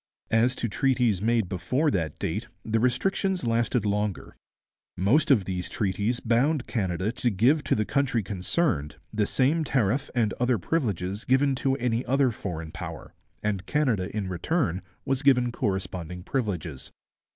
As to treaties made before that date, the restrictions lasted longer. Most of these treaties bound Canada to give to the country concerned the same tariff and other privileges given to any other foreign power, and Canada in return was given corresponding privileges.